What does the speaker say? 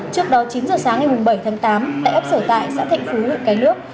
trước đó chín h sáng ngày bảy tháng tám tại ấp sở tại xã thạnh phú huyện cái nước